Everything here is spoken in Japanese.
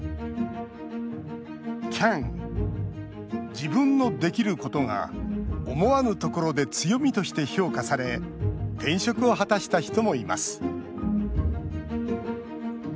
自分のできることが思わぬところで強みとして評価され転職を果たした人もいます。